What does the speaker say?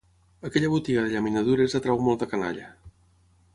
Aquella botiga de llaminadures atrau molta canalla.